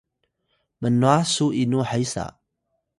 Piling: mnwah su inu hesa?